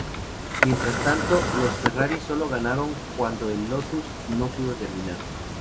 Mientras tanto, los Ferrari solo ganaron cuando el Lotus no pudo terminar.